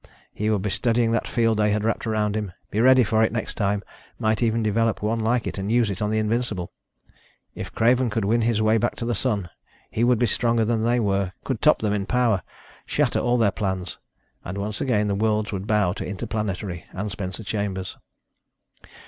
He would be studying that field they had wrapped around him, be ready for it next time, might even develop one like it and use it on the Invincible. If Craven could win his way back to the Sun, he would be stronger than they were, could top them in power, shatter all their plans, and once again the worlds would bow to Interplanetary and Spencer Chambers.